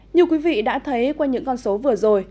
nhiều quý vị đã thấy qua những con số vừa rồi